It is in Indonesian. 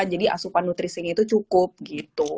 jadi asupan nutrisinya itu cukup gitu